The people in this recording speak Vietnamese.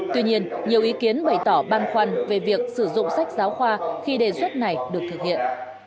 tuy nhiên nhiều ý kiến bày tỏ băn khoăn về việc sử dụng sách giáo khoa khi đề xuất này được thực hiện